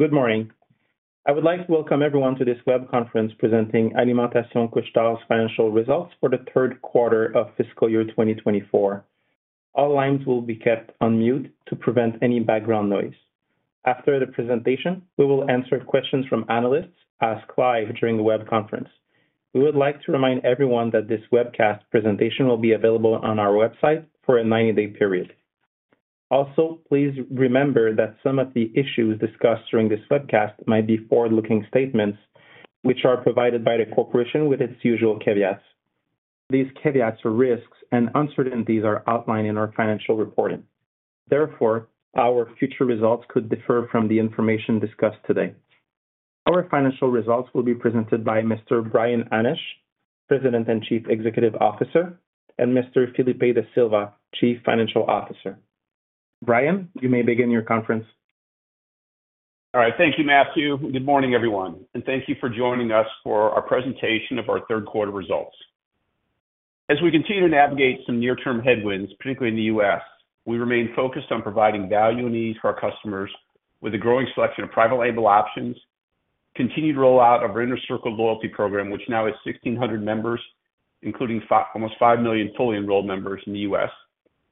Good morning. I would like to welcome everyone to this web conference presenting Alimentation Couche-Tard's financial results for the third quarter of fiscal year 2024. All lines will be kept on mute to prevent any background noise. After the presentation, we will answer questions from analysts asked live during the web conference. We would like to remind everyone that this webcast presentation will be available on our website for a 90-day period. Also, please remember that some of the issues discussed during this webcast might be forward-looking statements, which are provided by the corporation with its usual caveats. These caveats or risks and uncertainties are outlined in our financial reporting. Therefore, our future results could differ from the information discussed today. Our financial results will be presented by Mr. Brian Hannasch, President and Chief Executive Officer, and Mr. Felipe Da Silva, Chief Financial Officer. Brian, you may begin your conference. All right. Thank you, Mathieu, and good morning, everyone, and thank you for joining us for our presentation of our third quarter results. As we continue to navigate some near-term headwinds, particularly in the U.S., we remain focused on providing value and ease to our customers with a growing selection of private label options, continued rollout of our Inner Circle loyalty program, which now has 1,600 members, including almost five million fully enrolled members in the U.S.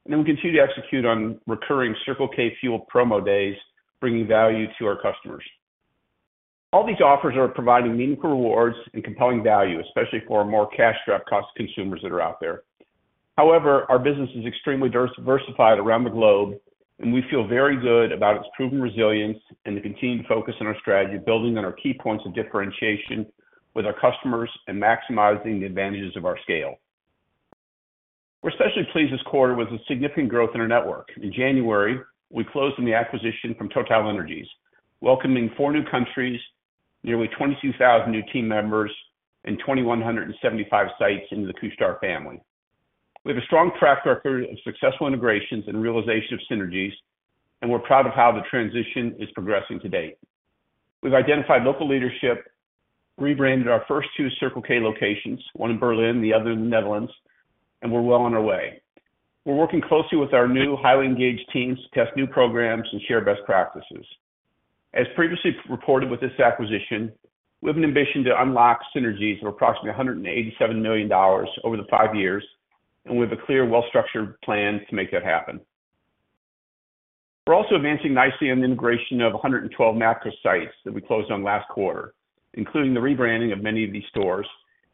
Then we continue to execute on recurring Circle K fuel promo days, bringing value to our customers. All these offers are providing meaningful rewards and compelling value, especially for our more cash-strapped cost-conscious consumers that are out there. However, our business is extremely diversified around the globe, and we feel very good about its proven resilience and the continued focus on our strategy, building on our key points of differentiation with our customers and maximizing the advantages of our scale. We're especially pleased this quarter with the significant growth in our network. In January, we closed on the acquisition from TotalEnergies, welcoming four new countries, nearly 22,000 new team members and 2,175 sites into the Couche-Tard family. We have a strong track record of successful integrations and realization of synergies, and we're proud of how the transition is progressing to date. We've identified local leadership, rebranded our first two Circle K locations, one in Berlin, the other in the Netherlands, and we're well on our way. We're working closely with our new highly engaged teams to test new programs and share best practices. As previously reported with this acquisition, we have an ambition to unlock synergies of approximately $187 million over the five years, and we have a clear, well-structured plan to make that happen. We're also advancing nicely on the integration of 112 MAPCO sites that we closed on last quarter, including the rebranding of many of these stores.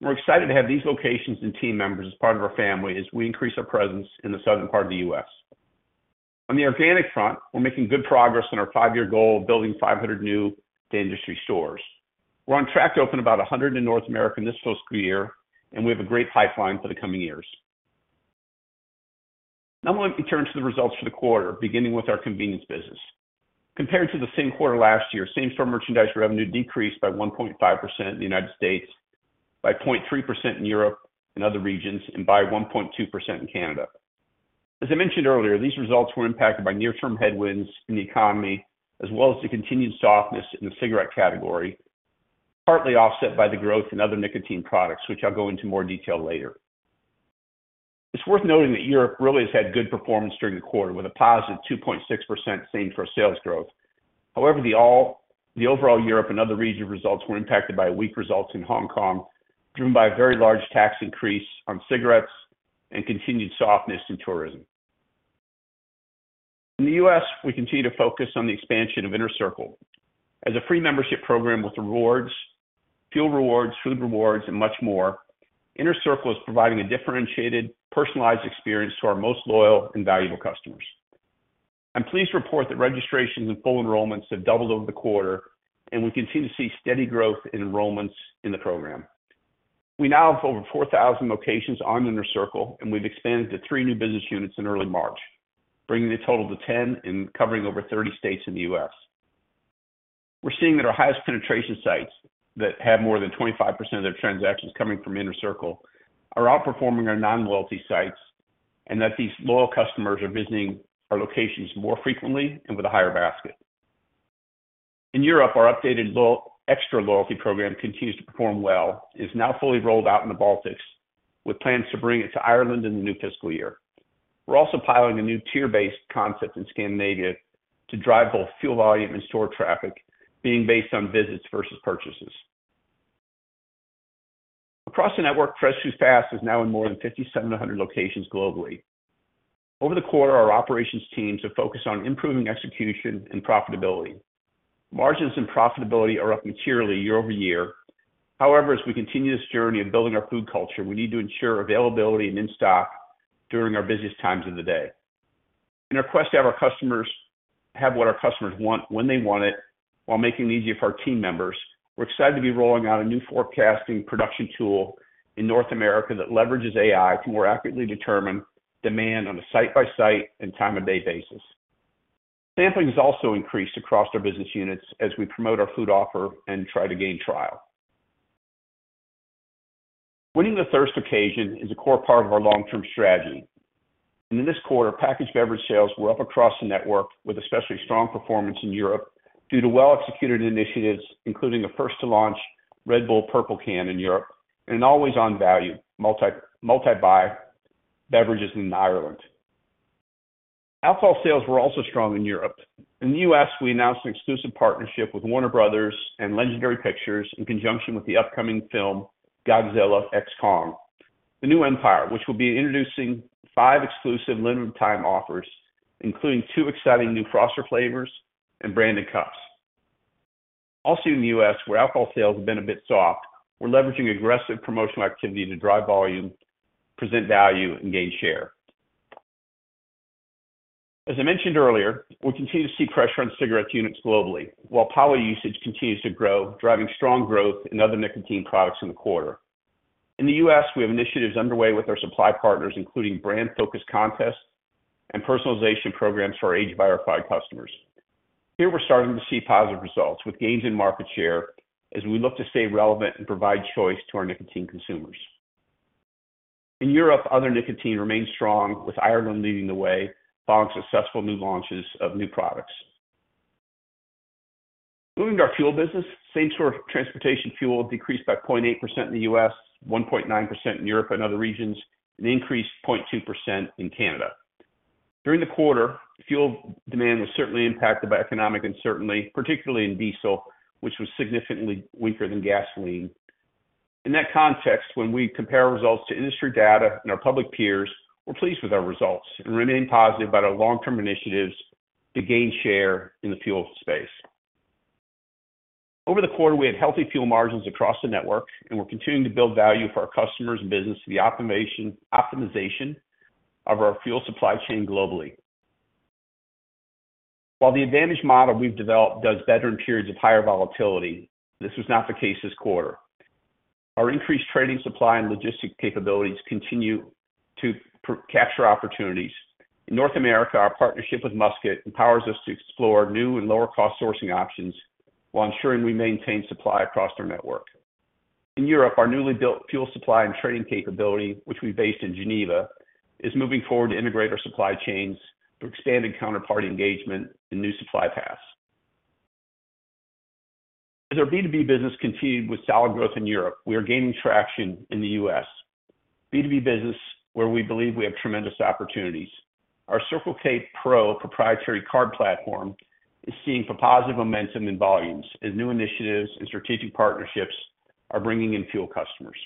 We're excited to have these locations and team members as part of our family as we increase our presence in the southern part of the U.S. On the organic front, we're making good progress on our five-year goal of building 500 new industry stores. We're on track to open about 100 in North America in this fiscal year, and we have a great pipeline for the coming years. Now I'm going to turn to the results for the quarter, beginning with our convenience business. Compared to the same quarter last year, same-store merchandise revenue decreased by 1.5% in the United States, by 0.3% in Europe and other regions, and by 1.2% in Canada. As I mentioned earlier, these results were impacted by near-term headwinds in the economy, as well as the continued softness in the cigarette category, partly offset by the growth in other nicotine products, which I'll go into more detail later. It's worth noting that Europe really has had good performance during the quarter, with a positive 2.6% same-store sales growth. However, the overall Europe and other region results were impacted by weak results in Hong Kong, driven by a very large tax increase on cigarettes and continued softness in tourism. In the U.S., we continue to focus on the expansion of Inner Circle. As a free membership program with rewards, fuel rewards, food rewards, and much more, Inner Circle is providing a differentiated, personalized experience to our most loyal and valuable customers. I'm pleased to report that registrations and full enrollments have doubled over the quarter, and we continue to see steady growth in enrollments in the program. We now have over 4,000 locations on Inner Circle, and we've expanded to 3 new business units in early March, bringing the total to 10 and covering over 30 states in the U.S. We're seeing that our highest penetration sites, that have more than 25% of their transactions coming from Inner Circle, are outperforming our non-loyalty sites, and that these loyal customers are visiting our locations more frequently and with a higher basket. In Europe, our updated Extra loyalty program continues to perform well. It's now fully rolled out in the Baltics, with plans to bring it to Ireland in the new fiscal year. We're also piloting a new tier-based concept in Scandinavia to drive both fuel volume and store traffic, being based on visits versus purchases. Across the network, Fresh Food, Fast is now in more than 5,700 locations globally. Over the quarter, our operations teams have focused on improving execution and profitability. Margins and profitability are up materially year-over-year. However, as we continue this journey of building our food culture, we need to ensure availability and in-stock during our busiest times of the day. In our quest to have our customers have what our customers want, when they want it, while making it easier for our team members, we're excited to be rolling out a new forecasting production tool in North America that leverages AI to more accurately determine demand on a site-by-site and time of day basis. Sampling has also increased across our business units as we promote our food offer and try to gain trial. Winning the thirst occasion is a core part of our long-term strategy, and in this quarter, packaged beverage sales were up across the network with especially strong performance in Europe due to well-executed initiatives, including the first to launch Red Bull Purple Can in Europe and Always On value, multi-buy beverages in Ireland... Alcohol sales were also strong in Europe. In the U.S., we announced an exclusive partnership with Warner Bros. and Legendary Pictures in conjunction with the upcoming film Godzilla x Kong: The New Empire, which will be introducing 5 exclusive limited-time offers, including two exciting new Froster flavors and branded cups. Also in the U.S., where alcohol sales have been a bit soft, we're leveraging aggressive promotional activity to drive volume, present value, and gain share. As I mentioned earlier, we continue to see pressure on cigarette units globally, while poly-usage continues to grow, driving strong growth in other nicotine products in the quarter. In the U.S., we have initiatives underway with our supply partners, including brand-focused contests and personalization programs for our age-verified customers. Here, we're starting to see positive results with gains in market share as we look to stay relevant and provide choice to our nicotine consumers. In Europe, other nicotine remains strong, with Ireland leading the way, following successful new launches of new products. Moving to our fuel business, same-store transportation fuel decreased by 0.8% in the U.S., 1.9% in Europe and other regions, and increased 0.2% in Canada. During the quarter, fuel demand was certainly impacted by economic uncertainty, particularly in diesel, which was significantly weaker than gasoline. In that context, when we compare results to industry data and our public peers, we're pleased with our results and remain positive about our long-term initiatives to gain share in the fuel space. Over the quarter, we had healthy fuel margins across the network, and we're continuing to build value for our customers and business through the optimization of our fuel supply chain globally. While the advantage model we've developed does better in periods of higher volatility, this was not the case this quarter. Our increased trading, supply, and logistic capabilities continue to capture opportunities. In North America, our partnership with Musket empowers us to explore new and lower-cost sourcing options while ensuring we maintain supply across our network. In Europe, our newly built fuel supply and trading capability, which we based in Geneva, is moving forward to integrate our supply chains through expanded counterparty engagement and new supply paths. As our B2B business continued with solid growth in Europe, we are gaining traction in the U.S. B2B business, where we believe we have tremendous opportunities. Our Circle K Pro proprietary card platform is seeing positive momentum in volumes as new initiatives and strategic partnerships are bringing in fuel customers.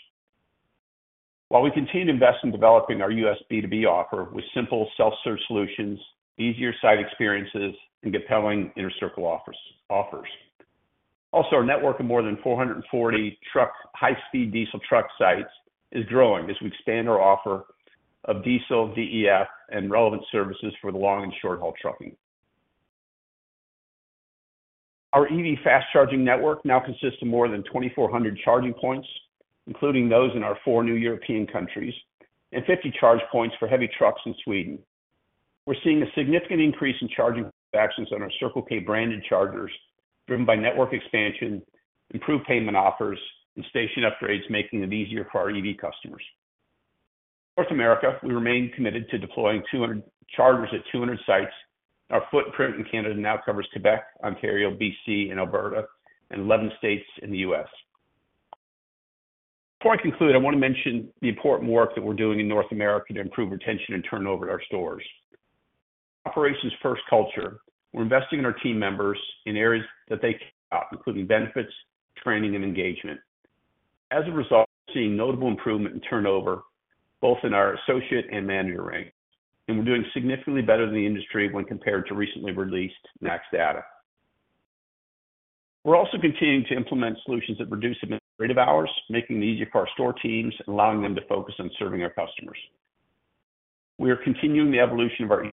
While we continue to invest in developing our U.S. B2B offer with simple self-serve solutions, easier site experiences, and compelling Inner Circle offers. Also, our network of more than 440 high-speed diesel truck sites is growing as we expand our offer of diesel, DEF, and relevant services for the long- and short-haul trucking. Our EV fast charging network now consists of more than 2,400 charging points, including those in our four new European countries, and 50 charge points for heavy trucks in Sweden. We're seeing a significant increase in charging transactions on our Circle K branded chargers, driven by network expansion, improved payment offers, and station upgrades, making it easier for our EV customers. In North America, we remain committed to deploying 200 chargers at 200 sites. Our footprint in Canada now covers Quebec, Ontario, BC, and Alberta, and 11 states in the US. Before I conclude, I want to mention the important work that we're doing in North America to improve retention and turnover at our stores. Operations First culture, we're investing in our team members in areas that they care about, including benefits, training, and engagement. As a result, we're seeing notable improvement in turnover, both in our associate and manager ranks, and we're doing significantly better than the industry when compared to recently released NACS data. We're also continuing to implement solutions that reduce administrative hours, making it easier for our store teams and allowing them to focus on serving our customers. We are continuing the evolution of our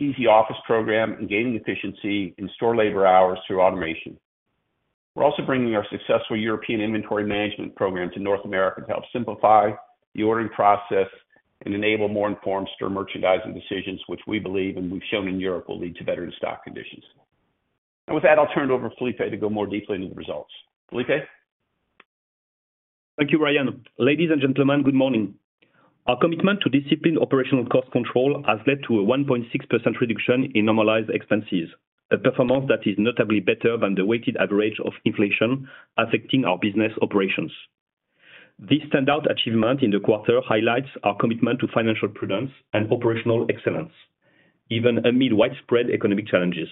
Easy Office program and gaining efficiency in store labor hours through automation. We're also bringing our successful European inventory management program to North America to help simplify the ordering process and enable more informed store merchandising decisions, which we believe, and we've shown in Europe, will lead to better in-stock conditions. With that, I'll turn it over to Felipe to go more deeply into the results. Felipe? Thank you, Brian. Ladies and gentlemen, good morning. Our commitment to disciplined operational cost control has led to a 1.6% reduction in normalized expenses, a performance that is notably better than the weighted average of inflation affecting our business operations. This standout achievement in the quarter highlights our commitment to financial prudence and operational excellence, even amid widespread economic challenges.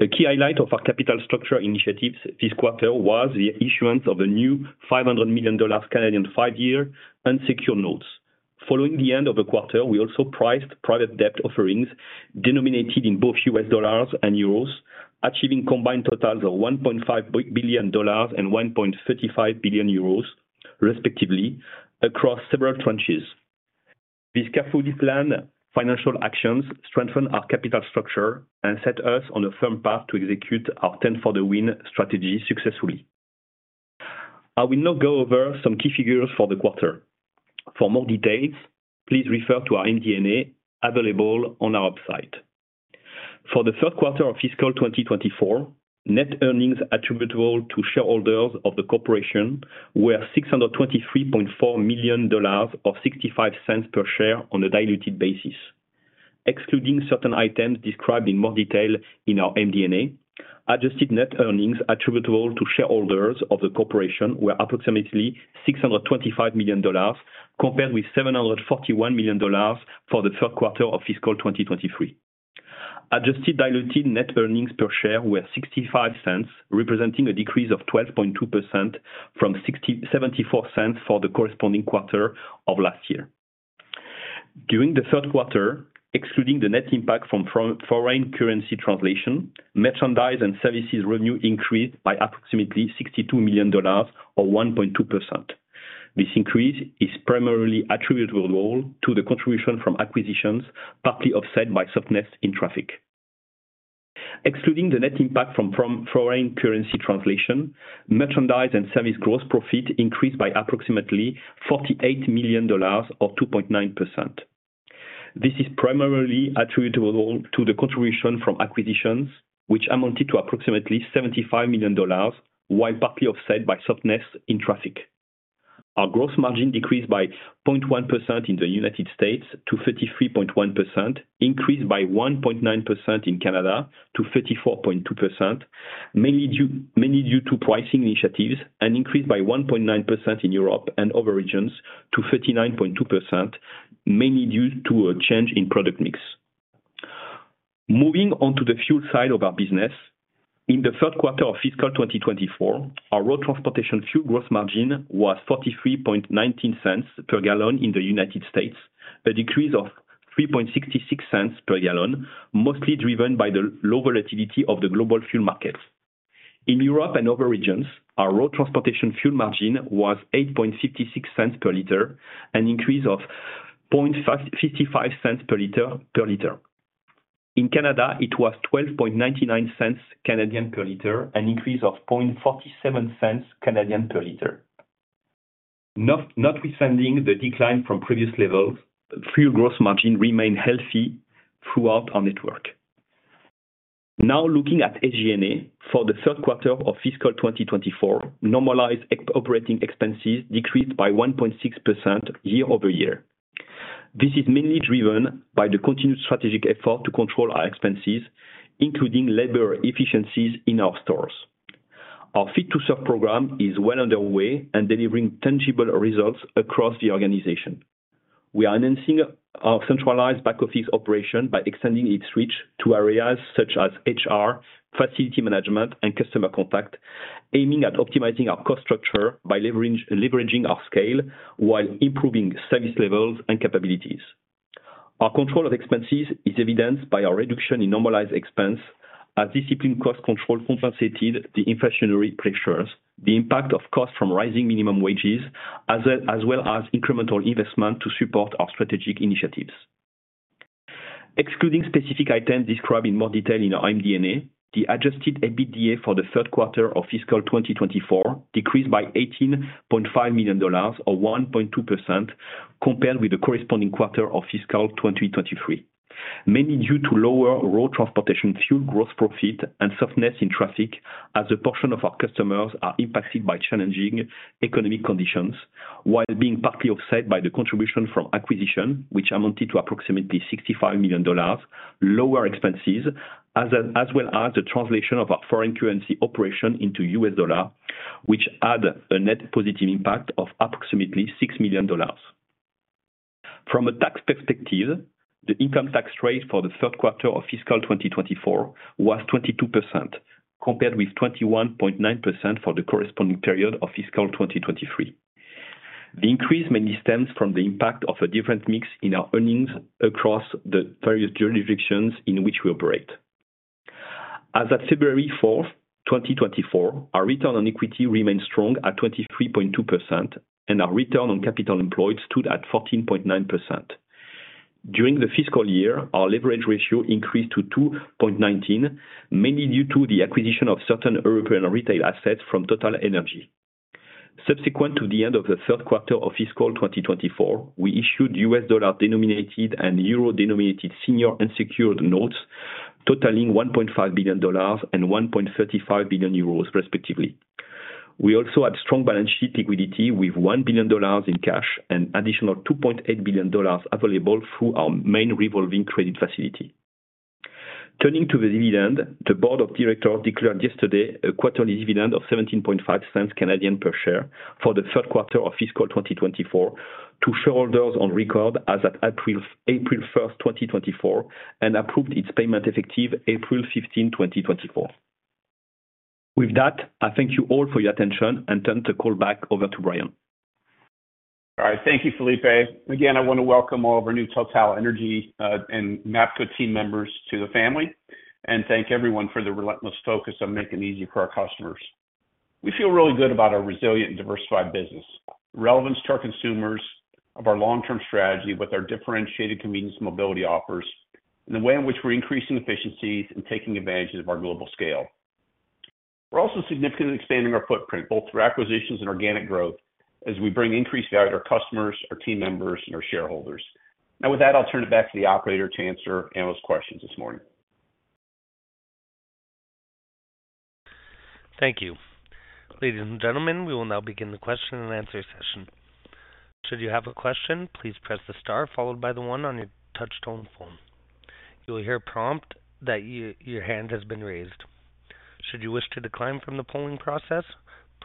The key highlight of our capital structure initiatives this quarter was the issuance of a new 500 million Canadian dollars five-year unsecured notes. Following the end of the quarter, we also priced private debt offerings denominated in both US dollars and euros, achieving combined totals of $1.5 billion and 1.35 billion euros, respectively, across several tranches. These carefully planned financial actions strengthen our capital structure and set us on a firm path to execute our 10 For The Win strategy successfully. I will now go over some key figures for the quarter. For more details, please refer to our MD&A, available on our website. For the third quarter of fiscal 2024, net earnings attributable to shareholders of the corporation were $623.4 million, or $0.65 per share on a diluted basis. Excluding certain items described in more detail in our MD&A, adjusted net earnings attributable to shareholders of the corporation were approximately $625 million, compared with $741 million for the third quarter of fiscal 2023. Adjusted diluted net earnings per share were $0.65, representing a decrease of 12.2% from $0.74 for the corresponding quarter of last year. During the third quarter, excluding the net impact from foreign currency translation, merchandise and services revenue increased by approximately $62 million, or 1.2%. This increase is primarily attributable to the contribution from acquisitions, partly offset by softness in traffic. Excluding the net impact from foreign currency translation, merchandise and service gross profit increased by approximately $48 million, or 2.9%. This is primarily attributable to the contribution from acquisitions, which amounted to approximately $75 million, while partly offset by softness in traffic. Our gross margin decreased by 0.1% in the United States to 33.1%, increased by 1.9% in Canada to 34.2%, mainly due to pricing initiatives, and increased by 1.9% in Europe and other regions to 39.2%, mainly due to a change in product mix. Moving on to the fuel side of our business. In the third quarter of Fiscal 2024, our road transportation fuel gross margin was $0.4319 per gallon in the United States, a decrease of $0.0366 per gallon, mostly driven by the low volatility of the global fuel markets. In Europe and other regions, our road transportation fuel margin was €0.0856 per liter, an increase of €0.00555 per liter. In Canada, it was 0.1299 per liter, an increase of 0.0047 per liter. Notwithstanding the decline from previous levels, fuel gross margin remained healthy throughout our network. Now looking at SG&A. For the third quarter of fiscal 2024, normalized operating expenses decreased by 1.6% year-over-year. This is mainly driven by the continued strategic effort to control our expenses, including labor efficiencies in our stores. Our Fit To Serve program is well underway and delivering tangible results across the organization. We are enhancing our centralized back office operation by extending its reach to areas such as HR, facility management, and customer contact, aiming at optimizing our cost structure by leveraging our scale, while improving service levels and capabilities. Our control of expenses is evidenced by our reduction in normalized expense as disciplined cost control compensated the inflationary pressures, the impact of costs from rising minimum wages, as well, as well as incremental investment to support our strategic initiatives. Excluding specific items described in more detail in our MD&A, the adjusted EBITDA for the third quarter of fiscal 2024 decreased by $18.5 million, or 1.2%, compared with the corresponding quarter of fiscal 2023. Mainly due to lower road transportation fuel gross profit and softness in traffic, as a portion of our customers are impacted by challenging economic conditions, while being partly offset by the contribution from acquisition, which amounted to approximately $65 million, lower expenses, as well, as well as the translation of our foreign currency operation into US dollar, which had a net positive impact of approximately $6 million. From a tax perspective, the income tax rate for the third quarter of fiscal 2024 was 22%, compared with 21.9% for the corresponding period of fiscal 2023. The increase mainly stems from the impact of a different mix in our earnings across the various jurisdictions in which we operate. As at February 4, 2024, our return on equity remained strong at 23.2%, and our return on capital employed stood at 14.9%. During the fiscal year, our leverage ratio increased to 2.19, mainly due to the acquisition of certain European retail assets from TotalEnergies. Subsequent to the end of the third quarter of fiscal 2024, we issued US dollar-denominated and euro-denominated senior unsecured notes, totaling $1.5 billion and 1.35 billion euros, respectively. We also had strong balance sheet liquidity, with $1 billion in cash and an additional $2.8 billion available through our main revolving credit facility. Turning to the dividend, the board of directors declared yesterday a quarterly dividend of 0.175 per share for the third quarter of fiscal 2024 to shareholders on record as at April 1, 2024, and approved its payment effective April 15, 2024. With that, I thank you all for your attention and turn the call back over to Brian. All right. Thank you, Felipe. Again, I want to welcome all of our new TotalEnergies and MAPCO team members to the family, and thank everyone for their relentless focus on making it easier for our customers. We feel really good about our resilient and diversified business, relevance to our consumers, of our long-term strategy with our differentiated convenience and mobility offers, and the way in which we're increasing efficiencies and taking advantage of our global scale. We're also significantly expanding our footprint, both through acquisitions and organic growth, as we bring increased value to our customers, our team members, and our shareholders. Now, with that, I'll turn it back to the operator to answer analyst questions this morning. ...Thank you. Ladies and gentlemen, we will now begin the question and answer session. Should you have a question, please press the star followed by the one on your touchtone phone. You will hear a prompt that your hand has been raised. Should you wish to decline from the polling process,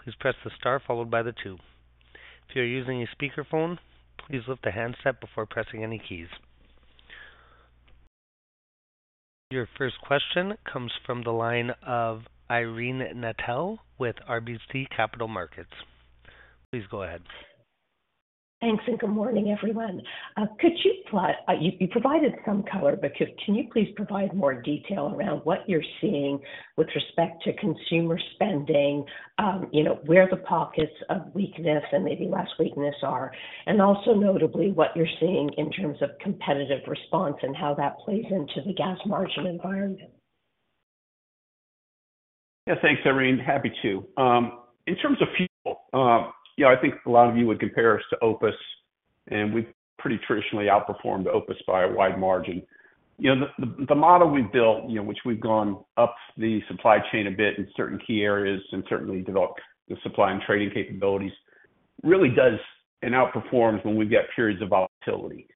please press the star followed by the two. If you're using a speakerphone, please lift the handset before pressing any keys. Your first question comes from the line of Irene Nattel with RBC Capital Markets. Please go ahead. Thanks, and good morning, everyone. You provided some color, but can you please provide more detail around what you're seeing with respect to consumer spending, you know, where the pockets of weakness and maybe less weakness are, and also notably, what you're seeing in terms of competitive response and how that plays into the gas margin environment? Yeah, thanks, Irene. Happy to. In terms of people, yeah, I think a lot of you would compare us to OPIS, and we've pretty traditionally outperformed OPIS by a wide margin. You know, the model we've built, you know, which we've gone up the supply chain a bit in certain key areas and certainly developed the supply and trading capabilities, really does and outperforms when we've got periods of volatility,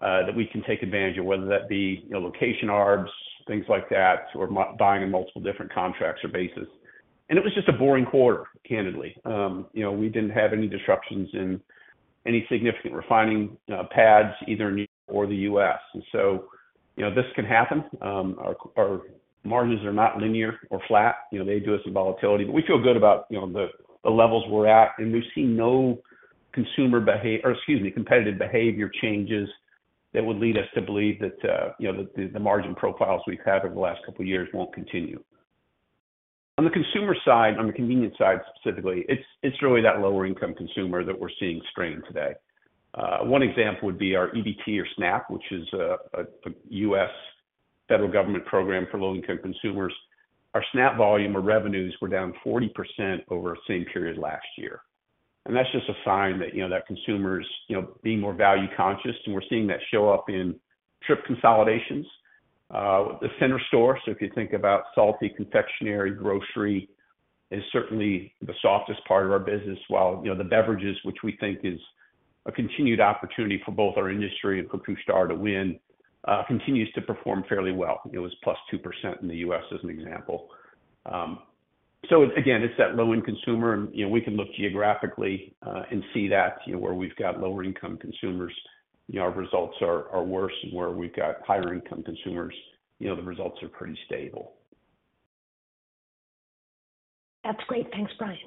that we can take advantage of, whether that be, you know, location arbs, things like that, or buying in multiple different contracts or bases. And it was just a boring quarter, candidly. You know, we didn't have any disruptions in any significant refining pads, either in or the US. And so, you know, this can happen. Our margins are not linear or flat. You know, they do have some volatility, but we feel good about, you know, the levels we're at, and we've seen no consumer behavior, or excuse me, competitive behavior changes that would lead us to believe that, you know, the margin profiles we've had over the last couple of years won't continue. On the consumer side, on the convenience side, specifically, it's really that lower-income consumer that we're seeing strained today. One example would be our EBT or SNAP, which is a U.S. federal government program for low-income consumers. Our SNAP volume or revenues were down 40% over the same period last year. And that's just a sign that, you know, that consumers, you know, being more value conscious, and we're seeing that show up in trip consolidations with the center store. So if you think about salty confectionary, grocery is certainly the softest part of our business, while, you know, the beverages, which we think is a continued opportunity for both our industry and for Couche-Tard to win, continues to perform fairly well. It was +2% in the US, as an example. So again, it's that low-end consumer, and, you know, we can look geographically, and see that, you know, where we've got lower-income consumers, you know, our results are, are worse, and where we've got higher-income consumers, you know, the results are pretty stable. That's great. Thanks, Brian.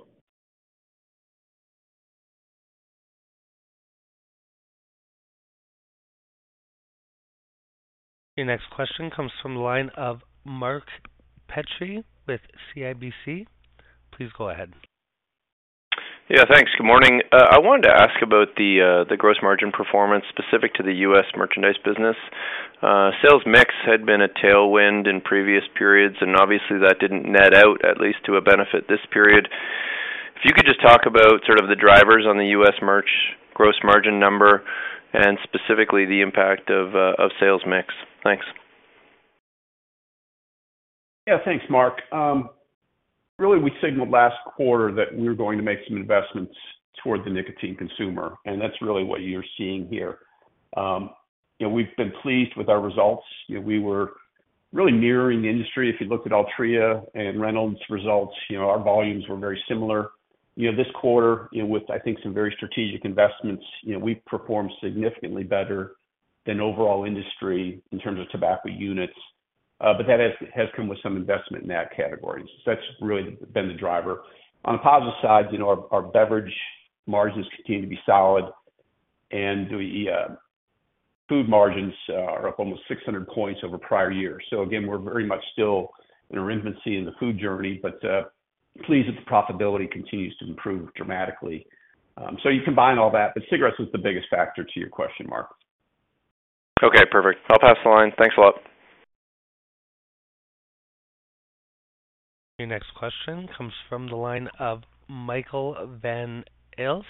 Your next question comes from the line of Mark Petrie with CIBC. Please go ahead. Yeah, thanks. Good morning. I wanted to ask about the gross margin performance specific to the U.S. merchandise business. Sales mix had been a tailwind in previous periods, and obviously, that didn't net out, at least to a benefit this period. If you could just talk about sort of the drivers on the U.S. merch gross margin number and specifically the impact of sales mix. Thanks. Yeah, thanks, Mark. Really, we signaled last quarter that we were going to make some investments toward the nicotine consumer, and that's really what you're seeing here. You know, we've been pleased with our results. You know, we were really mirroring the industry. If you looked at Altria and Reynolds results, you know, our volumes were very similar. You know, this quarter, you know, with, I think, some very strategic investments, you know, we've performed significantly better than overall industry in terms of tobacco units, but that has come with some investment in that category. So that's really been the driver. On the positive side, you know, our, our beverage margins continue to be solid, and the food margins are up almost 600 points over prior years. So again, we're very much still in our infancy in the food journey, but pleased that the profitability continues to improve dramatically. So you combine all that, but cigarettes was the biggest factor to your question, Mark. Okay, perfect. I'll pass the line. Thanks a lot. Your next question comes from the line of Michael Van Aelst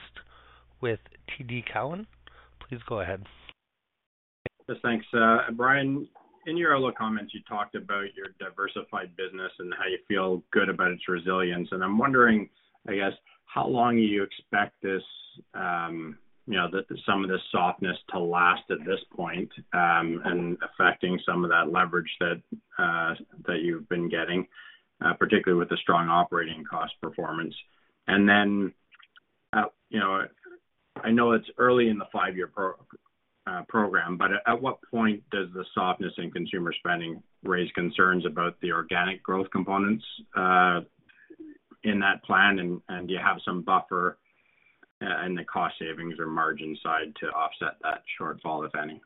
with TD Cowen. Please go ahead. Thanks, Brian. In your earlier comments, you talked about your diversified business and how you feel good about its resilience. I'm wondering, I guess, how long you expect this, you know, some of this softness to last at this point, and affecting some of that leverage that you've been getting, particularly with the strong operating cost performance? And then, you know, I know it's early in the five-year program, but at what point does the softness in consumer spending raise concerns about the organic growth components in that plan, and do you have some buffer in the cost savings or margin side to offset that shortfall, if any?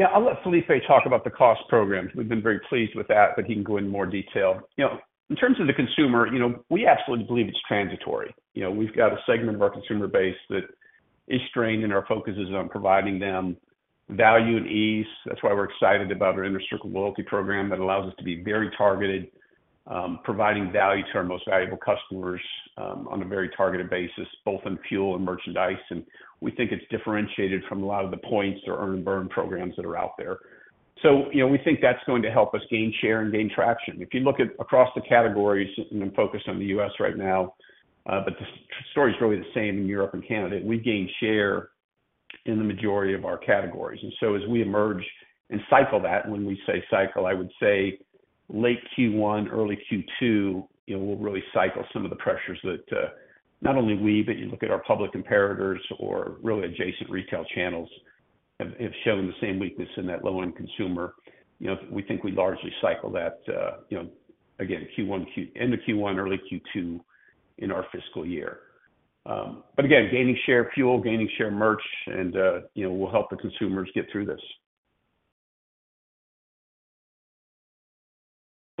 Yeah. I'll let Felipe talk about the cost programs. We've been very pleased with that, but he can go into more detail. You know, in terms of the consumer, you know, we absolutely believe it's transitory. You know, we've got a segment of our consumer base that is strained, and our focus is on providing them value and ease. That's why we're excited about our Inner Circle loyalty program that allows us to be very targeted, providing value to our most valuable customers, on a very targeted basis, both in fuel and merchandise. And we think it's differentiated from a lot of the points or earn and burn programs that are out there. So, you know, we think that's going to help us gain share and gain traction. If you look at across the categories, and I'm focused on the US right now, but the story is really the same in Europe and Canada. We gain share in the majority of our categories. And so as we emerge and cycle that, when we say cycle, I would say late Q1, early Q2, you know, we'll really cycle some of the pressures that, not only we, but you look at our public comparators or really adjacent retail channels, have shown the same weakness in that low-end consumer. You know, we think we largely cycle that, you know, again, end of Q1, early Q2 in our fiscal year. But again, gaining share fuel, gaining share merch, and, you know, we'll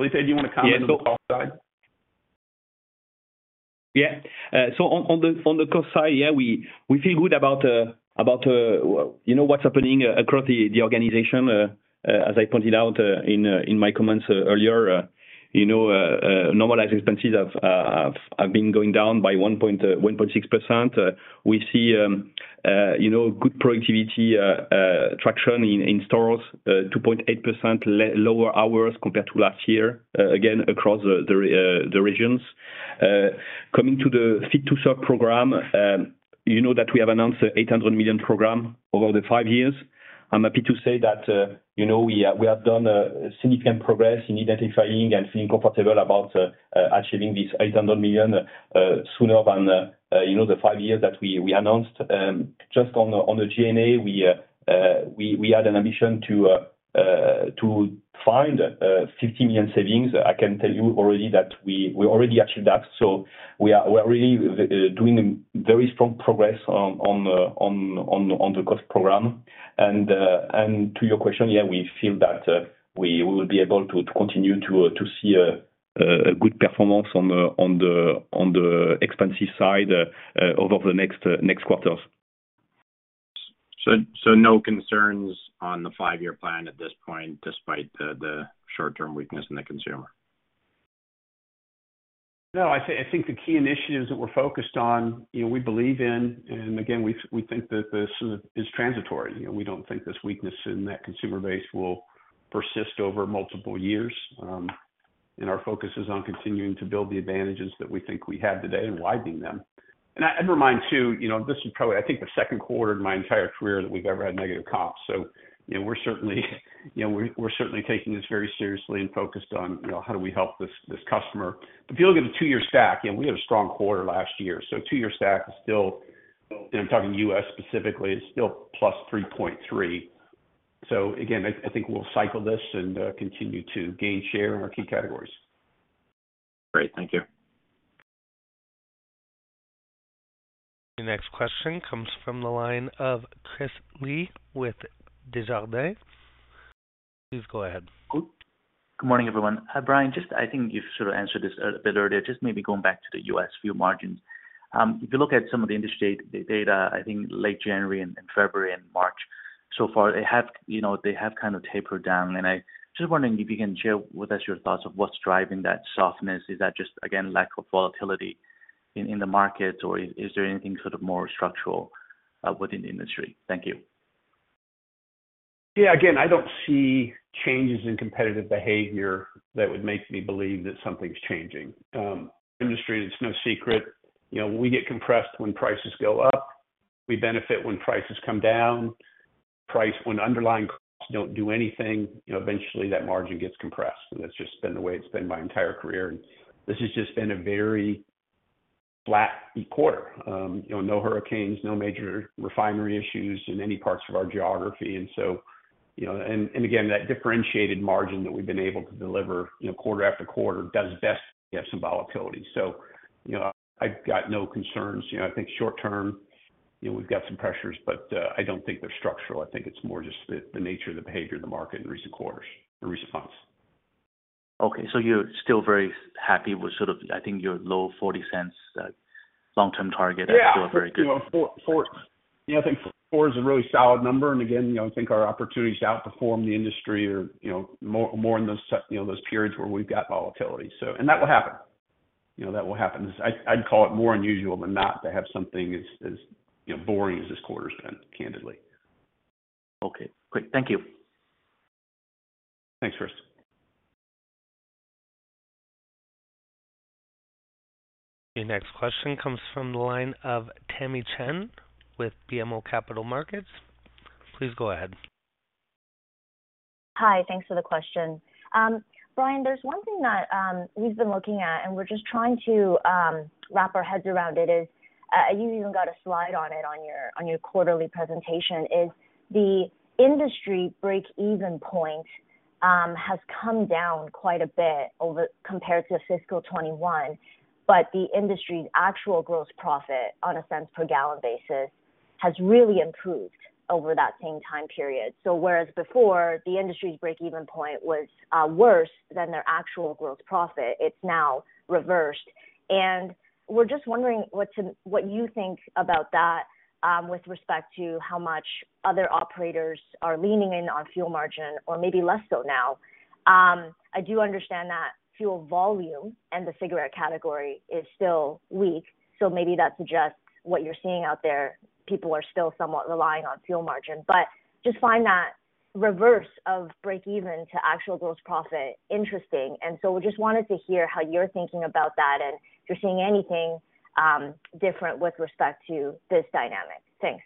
help the consumers get through this. Felipe, do you want to comment on the cost side? Yeah. So on the cost side, yeah, we feel good about, you know, what's happening across the organization. As I pointed out in my comments earlier, you know, normalized expenses have been going down by 1.6%. We see, you know, good productivity traction in stores, 2.8% lower hours compared to last year, again, across the regions. Coming to the Fit to Serve program, you know that we have announced 800 million program over the five years. I'm happy to say that, you know, we have done significant progress in identifying and feeling comfortable about achieving this $800 million sooner than, you know, the 5 years that we announced. Just on the G&A, we had an ambition to find $50 million savings. I can tell you already that we already achieved that, so we are really doing a very strong progress on the cost program. And to your question, yeah, we feel that we will be able to continue to see a good performance on the expenses side over the next quarters. So, no concerns on the five-year plan at this point, despite the short-term weakness in the consumer? No, I think, I think the key initiatives that we're focused on, you know, we believe in, and again, we, we think that this is transitory. You know, we don't think this weakness in that consumer base will persist over multiple years. And our focus is on continuing to build the advantages that we think we have today and widening them. And I'd remind, too, you know, this is probably, I think, the second quarter in my entire career that we've ever had negative comps. So, you know, we're certainly, you know, we're, we're certainly taking this very seriously and focused on, you know, how do we help this, this customer. But if you look at the two-year stack, you know, we had a strong quarter last year, so two-year stack is still, I'm talking U.S. specifically, is still +3.3. So again, I think we'll cycle this and continue to gain share in our key categories. Great. Thank you. The next question comes from the line of Chris Li with Desjardins. Please go ahead. Good morning, everyone. Brian, just I think you sort of answered this a bit earlier. Just maybe going back to the U.S. fuel margins. If you look at some of the industry data, I think late January and February and March so far, they have, you know, they have kind of tapered down. I just wondering if you can share with us your thoughts of what's driving that softness. Is that just, again, lack of volatility in the market, or is there anything sort of more structural within the industry? Thank you. Yeah, again, I don't see changes in competitive behavior that would make me believe that something's changing. Industry, it's no secret, you know, we get compressed when prices go up. We benefit when prices come down. Price, when underlying costs don't do anything, you know, eventually that margin gets compressed, and that's just been the way it's been my entire career. This has just been a very flat quarter. You know, no hurricanes, no major refinery issues in any parts of our geography. And so, you know, and again, that differentiated margin that we've been able to deliver, you know, quarter after quarter, does best have some volatility. So, you know, I've got no concerns. You know, I think short term, you know, we've got some pressures, but I don't think they're structural. I think it's more just the nature of the behavior of the market in recent quarters or recent months. Okay, so you're still very happy with sort of, I think, your low $0.40 long-term target? Yeah. Still very good. You know, four, you know, I think four is a really solid number. And again, you know, I think our opportunities to outperform the industry are, you know, more in those, you know, those periods where we've got volatility. So... And that will happen. You know, that will happen. I'd call it more unusual than not to have something as, you know, boring as this quarter's been, candidly. Okay, great. Thank you. Thanks, Chris. Your next question comes from the line of Tamy Chen with BMO Capital Markets. Please go ahead. Hi, thanks for the question. Brian, there's one thing that, we've been looking at, and we're just trying to, wrap our heads around it is, you even got a slide on it on your, on your quarterly presentation, is the industry break-even point, has come down quite a bit over compared to fiscal 2021, but the industry's actual gross profit on a cents per gallon basis has really improved over that same time period. So whereas before the industry's break-even point was, worse than their actual gross profit, it's now reversed. And we're just wondering what you think about that, with respect to how much other operators are leaning in on fuel margin, or maybe less so now?... I do understand that fuel volume and the cigarette category is still weak, so maybe that suggests what you're seeing out there, people are still somewhat relying on fuel margin. But just find that reverse of break even to actual gross profit interesting, and so we just wanted to hear how you're thinking about that and if you're seeing anything, different with respect to this dynamic. Thanks.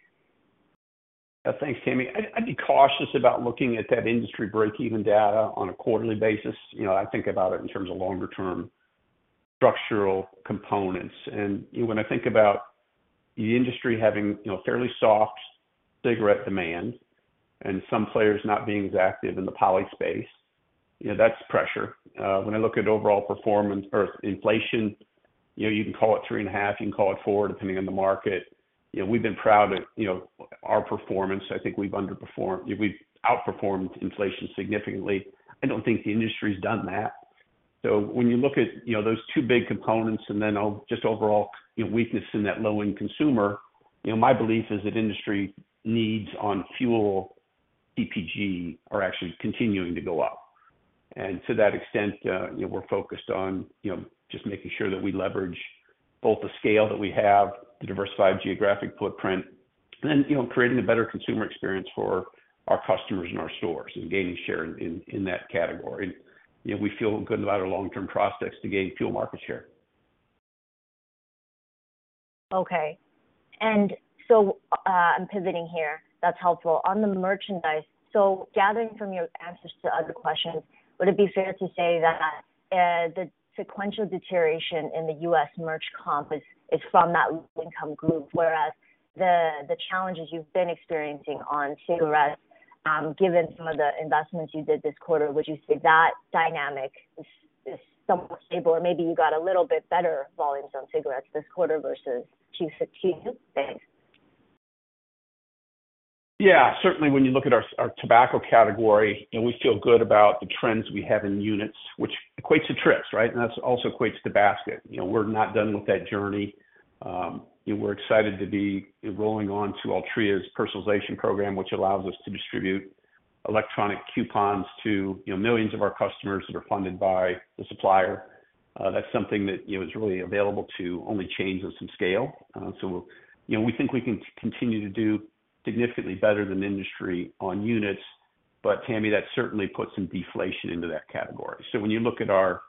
Yeah. Thanks, Tamy. I'd be cautious about looking at that industry breakeven data on a quarterly basis. You know, I think about it in terms of longer term structural components. When I think about the industry having, you know, fairly soft cigarette demand and some players not being as active in the poly space, you know, that's pressure. When I look at overall performance or inflation, you know, you can call it three and a half, you can call it four, depending on the market. You know, we've been proud of, you know, our performance. I think we've underperformed. We've outperformed inflation significantly. I don't think the industry's done that. So when you look at, you know, those two big components and then just overall, you know, weakness in that low-end consumer, you know, my belief is that industry needs on fuel CPG are actually continuing to go up. And to that extent, you know, we're focused on, you know, just making sure that we leverage both the scale that we have, the diversified geographic footprint, and, you know, creating a better consumer experience for our customers in our stores and gaining share in that category. You know, we feel good about our long-term prospects to gain fuel market share. Okay. I'm pivoting here. That's helpful. On the merchandise, gathering from your answers to other questions, would it be fair to say that the sequential deterioration in the U.S. merch comp is from that low-income group, whereas the challenges you've been experiencing on cigarettes, given some of the investments you did this quarter, would you say that dynamic is somewhat stable, or maybe you got a little bit better volumes on cigarettes this quarter versus 2016? Thanks. Yeah, certainly when you look at our tobacco category, and we feel good about the trends we have in units, which equates to trips, right? And that's also equates to basket. You know, we're not done with that journey. And we're excited to be rolling on to Altria's personalization program, which allows us to distribute electronic coupons to, you know, millions of our customers that are funded by the supplier. That's something that, you know, is really available to only chains of some scale. So, you know, we think we can continue to do significantly better than industry on units, but Tamy, that certainly puts some deflation into that category. So when you look at our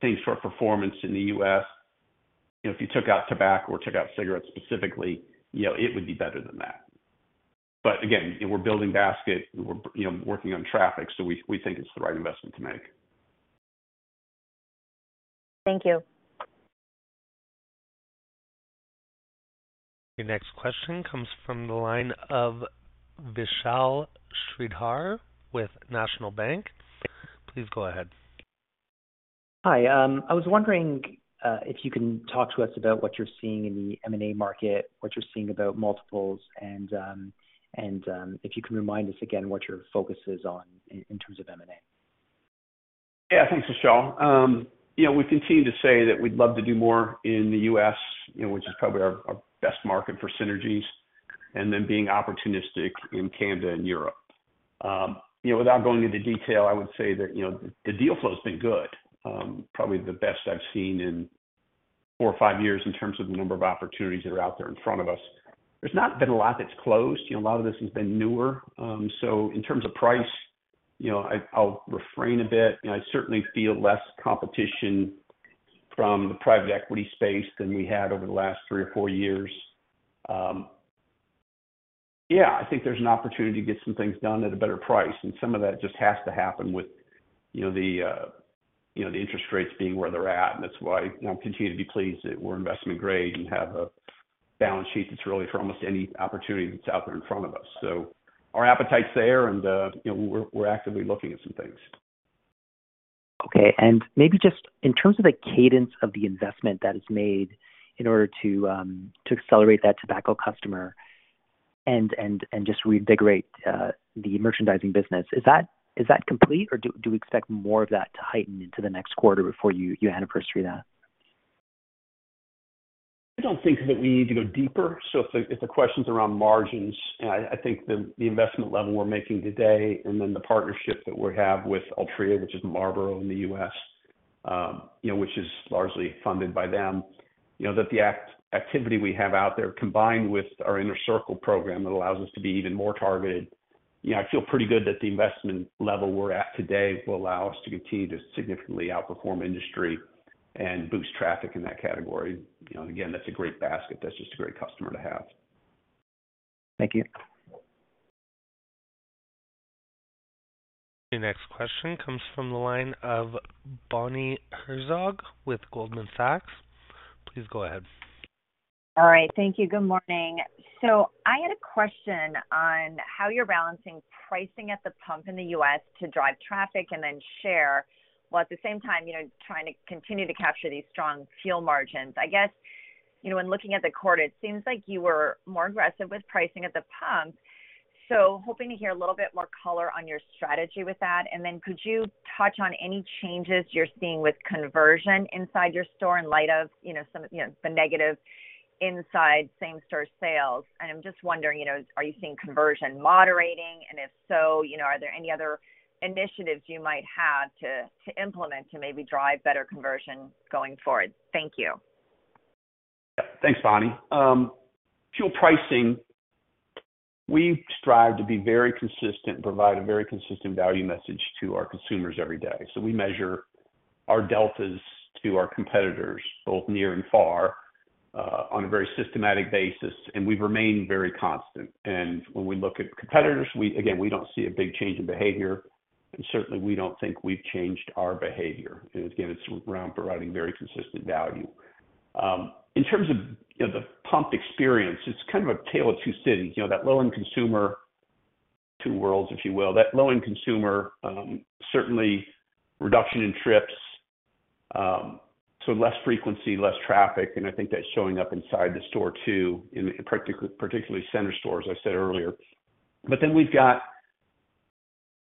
things for performance in the US, you know, if you took out tobacco or took out cigarettes specifically, you know, it would be better than that. But again, we're building basket, we're, you know, working on traffic, so we, we think it's the right investment to make. Thank you. Your next question comes from the line of Vishal Shreedhar with National Bank. Please go ahead. Hi, I was wondering if you can talk to us about what you're seeing in the M&A market, what you're seeing about multiples, and if you can remind us again what your focus is on in terms of M&A. Yeah. Thanks, Vishal. You know, we continue to say that we'd love to do more in the US, you know, which is probably our best market for synergies, and then being opportunistic in Canada and Europe. You know, without going into detail, I would say that, you know, the deal flow has been good, probably the best I've seen in 4 or 5 years in terms of the number of opportunities that are out there in front of us. There's not been a lot that's closed. You know, a lot of this has been newer. So in terms of price, you know, I, I'll refrain a bit. I certainly feel less competition from the private equity space than we had over the last 3 or 4 years. Yeah, I think there's an opportunity to get some things done at a better price, and some of that just has to happen with, you know, the interest rates being where they're at, and that's why I continue to be pleased that we're investment grade and have a balance sheet that's really for almost any opportunity that's out there in front of us. So our appetite's there and, you know, we're actively looking at some things. Okay. And maybe just in terms of the cadence of the investment that is made in order to accelerate that tobacco customer and just reinvigorate the merchandising business, is that complete, or do we expect more of that to heighten into the next quarter before you anniversary that? I don't think that we need to go deeper. So if the question's around margins, I think the investment level we're making today, and then the partnership that we have with Altria, which is Marlboro in the U.S., you know, which is largely funded by them. You know, that the activity we have out there, combined with our Inner Circle program, that allows us to be even more targeted, you know, I feel pretty good that the investment level we're at today will allow us to continue to significantly outperform industry and boost traffic in that category. You know, again, that's a great basket. That's just a great customer to have. Thank you. Your next question comes from the line of Bonnie Herzog with Goldman Sachs. Please go ahead. All right. Thank you. Good morning. So I had a question on how you're balancing pricing at the pump in the U.S. to drive traffic and then share, while at the same time, you know, trying to continue to capture these strong fuel margins. I guess, you know, when looking at the quarter, it seems like you were more aggressive with pricing at the pump. So hoping to hear a little bit more color on your strategy with that. And then could you touch on any changes you're seeing with conversion inside your store in light of, you know, some of, you know, the negative.... inside same-store sales. I'm just wondering, you know, are you seeing conversion moderating? And if so, you know, are there any other initiatives you might have to implement to maybe drive better conversion going forward? Thank you. Yep. Thanks, Bonnie. Fuel pricing, we strive to be very consistent, provide a very consistent value message to our consumers every day. So we measure our deltas to our competitors, both near and far, on a very systematic basis, and we've remained very constant. And when we look at competitors, we again, we don't see a big change in behavior, and certainly we don't think we've changed our behavior. And again, it's around providing very consistent value. In terms of, you know, the pump experience, it's kind of a tale of two cities. You know, that low-end consumer, two worlds, if you will, that low-end consumer, certainly reduction in trips, so less frequency, less traffic, and I think that's showing up inside the store, too, in particular, particularly center stores, I said earlier. But then we've got,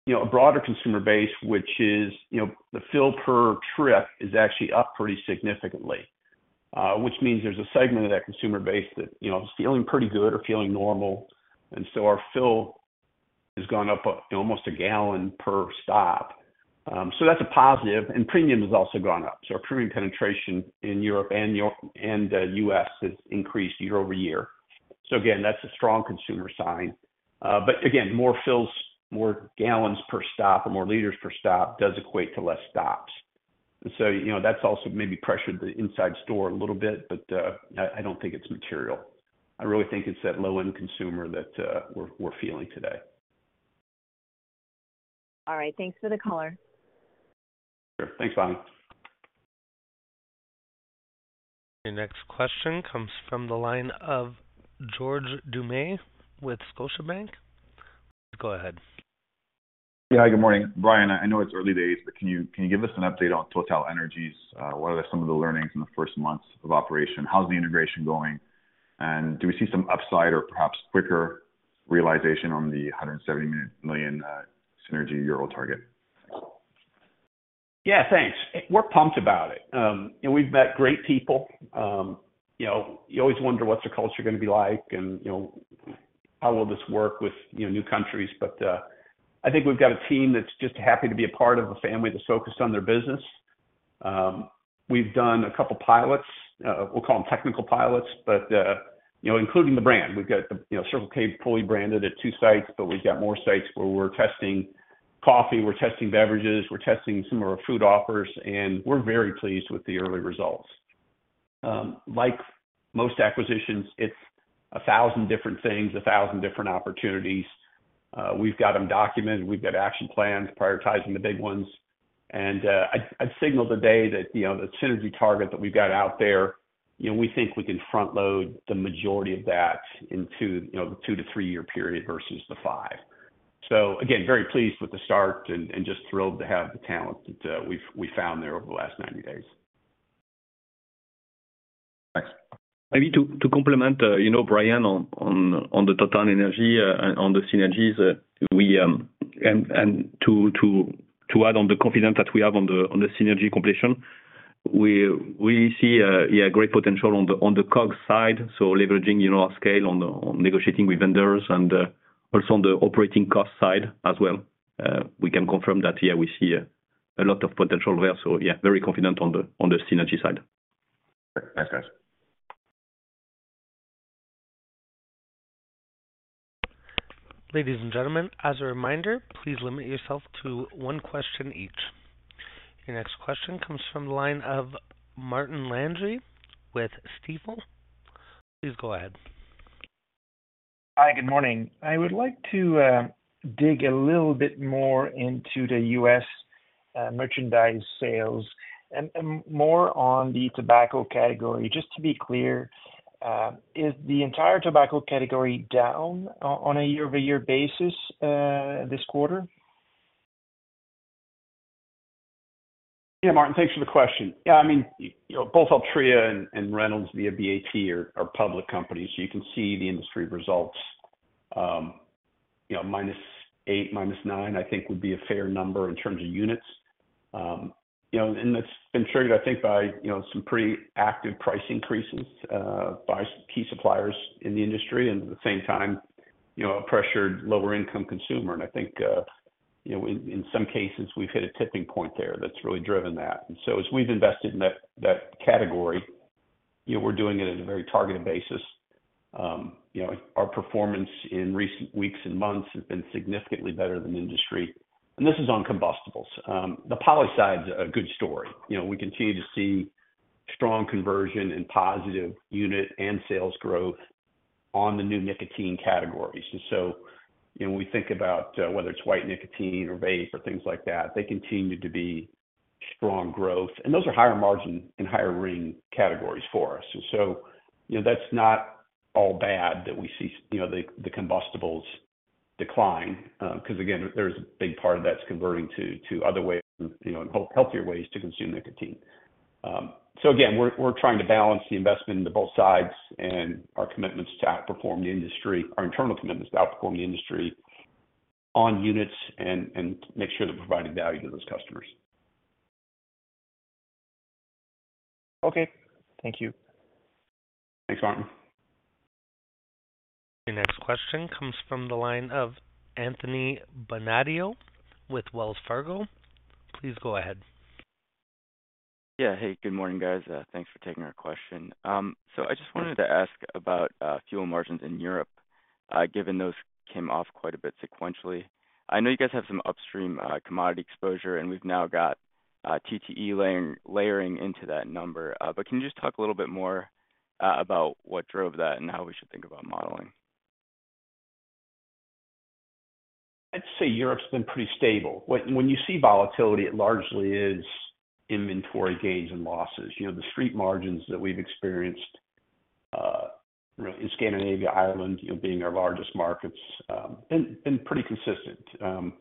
you know, a broader consumer base, which is, you know, the fill per trip is actually up pretty significantly, which means there's a segment of that consumer base that, you know, is feeling pretty good or feeling normal, and so our fill has gone up almost a gallon per stop. So that's a positive, and premium has also gone up. So our premium penetration in Europe and US has increased year over year. So again, that's a strong consumer sign. But again, more fills, more gallons per stop or more liters per stop, does equate to less stops. And so, you know, that's also maybe pressured the inside store a little bit, but I don't think it's material. I really think it's that low-end consumer that we're feeling today. All right, thanks for the color. Sure. Thanks, Bonnie. Your next question comes from the line of George Doumet with Scotiabank. Go ahead. Yeah, good morning, Brian. I know it's early days, but can you give us an update on TotalEnergies? What are some of the learnings in the first months of operation? How's the integration going? And do we see some upside or perhaps quicker realization on the 170 million synergy euro target? Yeah, thanks. We're pumped about it. We've met great people. You know, you always wonder what's the culture gonna be like and, you know, how will this work with, you know, new countries? I think we've got a team that's just happy to be a part of a family that's focused on their business. We've done a couple of pilots, we'll call them technical pilots, but, you know, including the brand, we've got, you know, Circle K fully branded at two sites, but we've got more sites where we're testing coffee, we're testing beverages, we're testing some of our food offers, and we're very pleased with the early results. Like most acquisitions, it's a thousand different things, a thousand different opportunities. We've got them documented, we've got action plans, prioritizing the big ones. I'd signal today that, you know, the synergy target that we've got out there, you know, we think we can front load the majority of that into, you know, the two- to three-year period versus the five. So again, very pleased with the start and just thrilled to have the talent that we've found there over the last 90 days. Thanks. Maybe to complement, you know, Brian, on the TotalEnergies, on the synergies, and to add on the confidence that we have on the synergy completion. We see, yeah, great potential on the COGS side, so leveraging, you know, our scale on negotiating with vendors and also on the operating cost side as well. We can confirm that, yeah, we see a lot of potential there. So yeah, very confident on the synergy side. Thanks, guys. Ladies and gentlemen, as a reminder, please limit yourself to one question each. Your next question comes from the line of Martin Landry with Stifel. Please go ahead. Hi, good morning. I would like to dig a little bit more into the US merchandise sales and more on the tobacco category. Just to be clear, is the entire tobacco category down on a year-over-year basis this quarter? Yeah, Martin, thanks for the question. Yeah, I mean, you know, both Altria and, and Reynolds via BAT are, are public companies, so you can see the industry results, you know, -eight, -nine, I think would be a fair number in terms of units. You know, and that's been triggered, I think, by, you know, some pretty active price increases, by key suppliers in the industry, and at the same time, you know, a pressured lower-income consumer. And I think, you know, in, in some cases, we've hit a tipping point there that's really driven that. And so as we've invested in that, that category, you know, we're doing it at a very targeted basis. You know, our performance in recent weeks and months has been significantly better than industry. And this is on combustibles. The poly side is a good story. You know, we continue to see strong conversion and positive unit and sales growth on the new nicotine categories. And so, you know, when we think about whether it's white nicotine or vape or things like that, they continue to be strong growth, and those are higher margin and higher ring categories for us. So, you know, that's not all bad that we see, you know, the combustibles decline, because, again, there's a big part of that's converting to other ways, you know, and healthier ways to consume nicotine. So again, we're trying to balance the investment into both sides and our commitments to outperform the industry, our internal commitments to outperform the industry on units and make sure they're providing value to those customers. Okay. Thank you. Thanks, Martin. Your next question comes from the line of Anthony Bonadio with Wells Fargo. Please go ahead. Yeah. Hey, good morning, guys. Thanks for taking our question. So I just wanted to ask about fuel margins in Europe, given those came off quite a bit sequentially. I know you guys have some upstream commodity exposure, and we've now got TTE layering into that number. But can you just talk a little bit more about what drove that and how we should think about modeling? I'd say Europe's been pretty stable. When you see volatility, it largely is inventory gains and losses. You know, the street margins that we've experienced in Scandinavia, Ireland, you know, being our largest markets, been pretty consistent.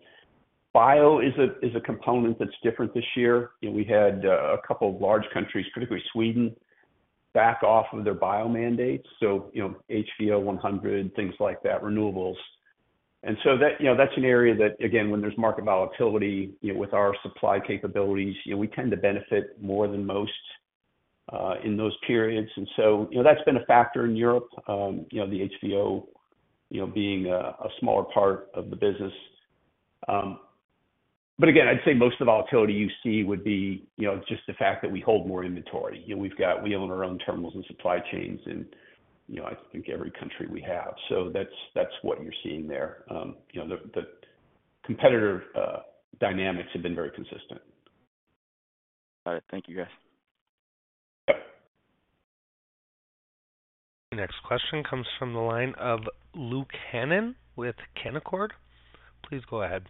Bio is a component that's different this year. You know, we had a couple of large countries, particularly Sweden, back off of their bio mandates, so, you know, HVO 100, things like that, renewables. And so that, you know, that's an area that, again, when there's market volatility, you know, with our supply capabilities, you know, we tend to benefit more than most in those periods. And so, you know, that's been a factor in Europe, you know, the HVO, you know, being a smaller part of the business. But again, I'd say most of the volatility you see would be, you know, just the fact that we hold more inventory. You know, we own our own terminals and supply chains and, you know, I think every country we have. So that's what you're seeing there. You know, the competitor dynamics have been very consistent. All right. Thank you, guys. Yep. The next question comes from the line of Luke Hannan with Canaccord. Please go ahead.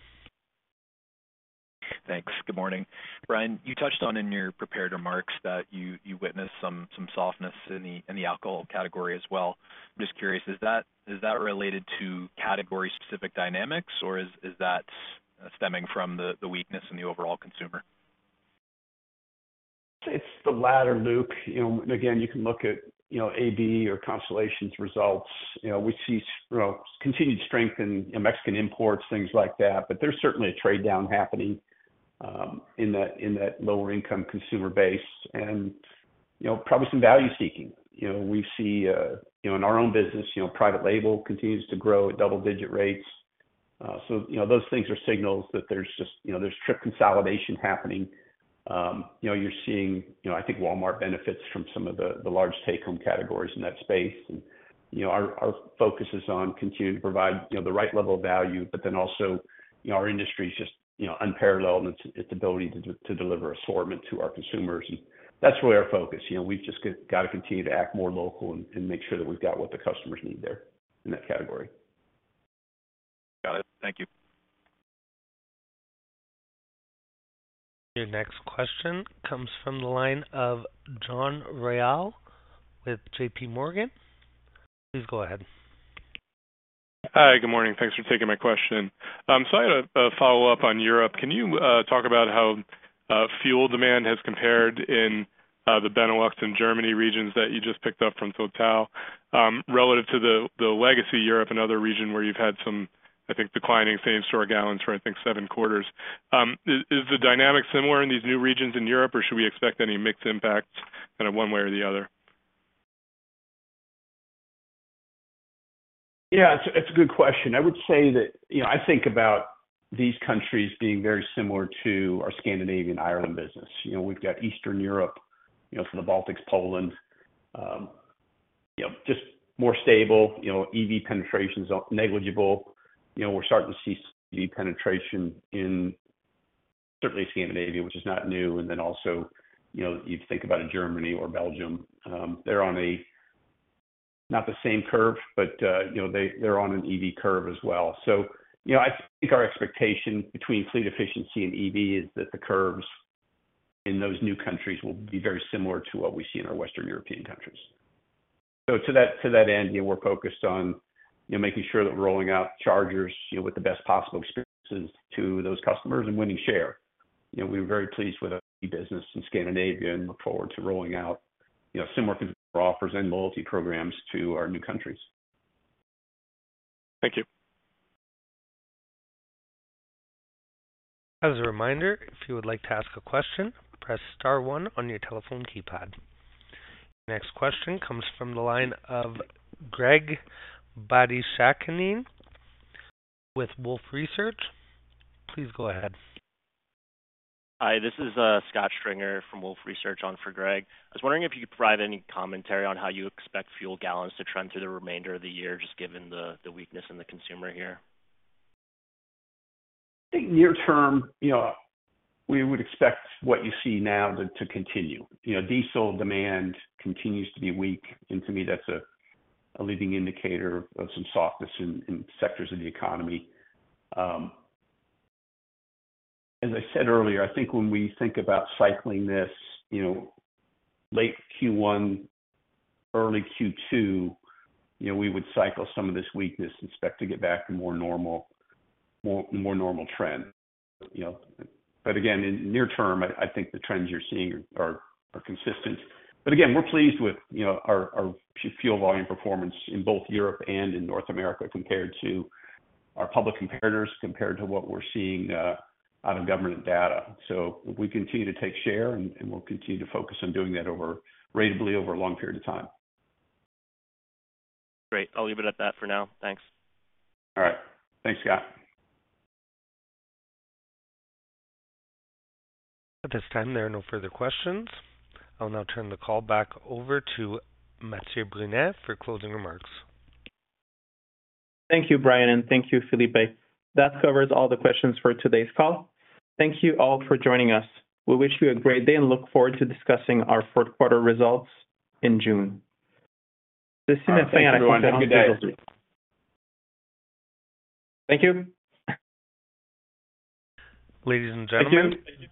Thanks. Good morning. Brian, you touched on in your prepared remarks that you witnessed some softness in the alcohol category as well. I'm just curious, is that related to category-specific dynamics, or is that stemming from the weakness in the overall consumer? It's the latter, Luke. You know, and again, you can look at, you know, AB or Constellation's results. You know, we see, you know, continued strength in Mexican imports, things like that. But there's certainly a trade-down happening in that, in that lower-income consumer base and, you know, probably some value-seeking. You know, we see, you know, in our own business, you know, private label continues to grow at double-digit rates. So, you know, those things are signals that there's just... you know, there's trip consolidation happening. You know, you're seeing, you know, I think Walmart benefits from some of the, the large take-home categories in that space. You know, our focus is on continuing to provide, you know, the right level of value, but then also, you know, our industry is just, you know, unparalleled in its ability to deliver assortment to our consumers, and that's really our focus. You know, we've just got to continue to act more local and make sure that we've got what the customers need there in that category. Got it. Thank you. Your next question comes from the line of John Royall with J.P. Morgan. Please go ahead. Hi, good morning. Thanks for taking my question. So I had a follow-up on Europe. Can you talk about how fuel demand has compared in the Benelux and Germany regions that you just picked up from Total, relative to the legacy Europe and other region where you've had some, I think, declining same-store gallons for, I think, seven quarters? Is the dynamic similar in these new regions in Europe, or should we expect any mixed impacts kind of one way or the other? Yeah, it's a, it's a good question. I would say that, you know, I think about these countries being very similar to our Scandinavian-Ireland business. You know, we've got Eastern Europe, you know, from the Baltics, Poland, you know, just more stable. You know, EV penetration is negligible. You know, we're starting to see penetration in certainly Scandinavia, which is not new. And then also, you know, you think about in Germany or Belgium, they're on a, not the same curve, but you know, they, they're on an EV curve as well. So, you know, I think our expectation between fleet efficiency and EV is that the curves in those new countries will be very similar to what we see in our Western European countries. So to that, to that end, you know, we're focused on, you know, making sure that we're rolling out chargers, you know, with the best possible experiences to those customers and winning share. You know, we're very pleased with our business in Scandinavia and look forward to rolling out, you know, similar offers and loyalty programs to our new countries. Thank you. As a reminder, if you would like to ask a question, press star one on your telephone keypad. Next question comes from the line of Greg Badishkanian with Wolfe Research. Please go ahead. Hi, this is Scott Minder from Wolfe Research on for Greg. I was wondering if you could provide any commentary on how you expect fuel gallons to trend through the remainder of the year, just given the weakness in the consumer here? Near term, you know, we would expect what you see now to continue. You know, diesel demand continues to be weak, and to me, that's a leading indicator of some softness in sectors of the economy. As I said earlier, I think when we think about cycling this, you know, late Q1, early Q2, you know, we would cycle some of this weakness and expect to get back to more normal trend, you know. But again, in near term, I think the trends you're seeing are consistent. But again, we're pleased with, you know, our fuel volume performance in both Europe and in North America, compared to our public comparators, compared to what we're seeing out of government data. So we continue to take share, and we'll continue to focus on doing that over... ratably over a long period of time. Great. I'll leave it at that for now. Thanks. All right. Thanks, Scott. At this time, there are no further questions. I'll now turn the call back over to Mathieu Brunet for closing remarks. Thank you, Brian, and thank you, Felipe. That covers all the questions for today's call. Thank you all for joining us. We wish you a great day and look forward to discussing our fourth quarter results in June. Thank you. Ladies and gentlemen- Thank you.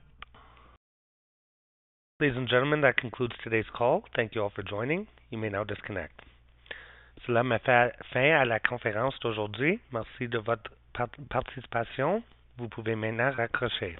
Ladies and gentlemen, that concludes today's call. Thank you all for joining. You may now disconnect. Cela met fin à la conférence d'aujourd'hui. Merci de votre participation. Vous pouvez maintenant raccrocher.